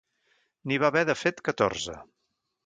N'hi va haver, de fet, catorze.